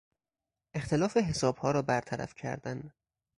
اختلاف حسابها را برطرف کردن